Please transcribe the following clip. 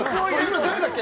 誰だっけ？